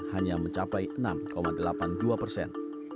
hanya mencapai enam delapan puluh dua persen